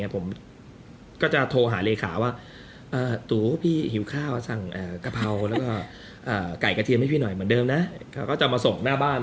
ผมก็จะโทรหาเลขาว่าหิวข้าวสั่งกะเพราไก่กระเทียมให้พี่หน่อยอยากจะมาส่งหน้าบ้าน